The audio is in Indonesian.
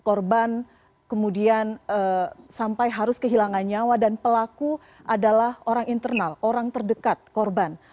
korban kemudian sampai harus kehilangan nyawa dan pelaku adalah orang internal orang terdekat korban